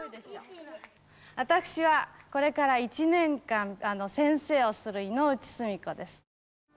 私はこれから１年間先生をする井内澄子です。